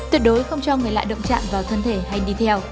tuyệt đối không cho người lạ động chạm vào thân thể hay đi theo